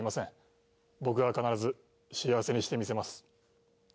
僕が必ず幸せにしてみせます。